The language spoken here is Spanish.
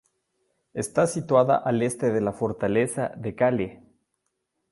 Está situada al este de la fortaleza de Kale.